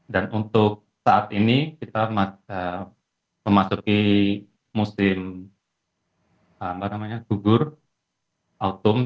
dan untuk saat ini kita memasuki musim apa namanya sugur autumn